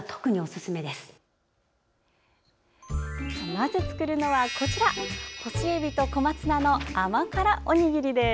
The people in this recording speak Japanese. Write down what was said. まず作るのは、こちら干しえびと小松菜の甘辛おにぎりです。